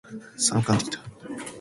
寒くなってきた。